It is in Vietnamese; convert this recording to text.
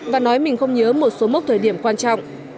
và nói mình không nhớ một số mốc thời điểm quan trọng